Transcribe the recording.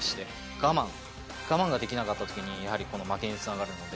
我慢、我慢ができなかったときに、やはりこの負けにつながるので。